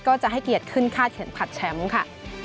ก็จะให้เกียรติขึ้นคาดเข็มขัดแชมป์ค่ะ